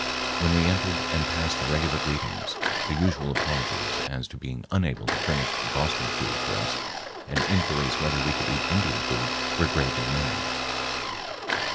When we entered and passed the regular greetings, the usual apologies as to being unable to furnish Boston food for us and inquiries whether we could eat Indian food were gravely made.